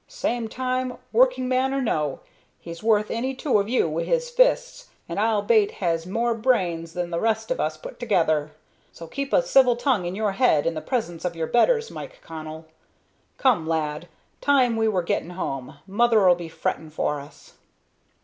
Same time, working man or no, he's worth any two of you wi' his fists, and, I'll bate, has more brains than the rest of us put together. So keep a civil tongue in your head in the presence of your betters, Mike Connell. Come, lad, time we were getting home. Mother 'll be fretting for us."